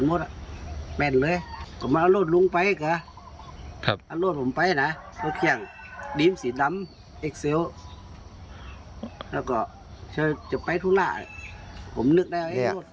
ผมนึกได้ว่านี่มันหายไปแล้ว